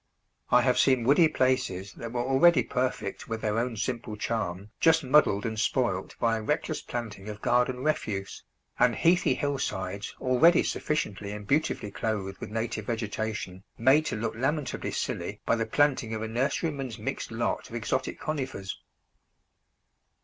I have seen woody places that were already perfect with their own simple charm just muddled and spoilt by a reckless planting of garden refuse, and heathy hillsides already sufficiently and beautifully clothed with native vegetation made to look lamentably silly by the planting of a nurseryman's mixed lot of exotic Conifers.